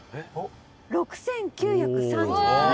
「６９３７円！」